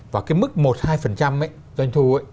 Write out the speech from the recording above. và cái mức một hai doanh thu ấy